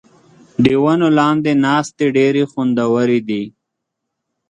د ونو لاندې ناستې ډېرې خوندورې دي.